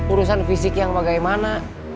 urusan fisik yang bagaimana